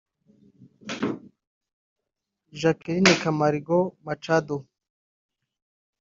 Jacqueline Camargo Machado